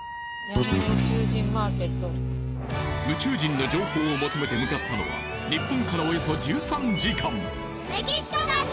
宇宙人の情報を求めて向かったのは日本からおよそ１３時間